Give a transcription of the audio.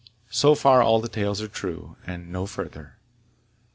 So far all the tales are true, and no further.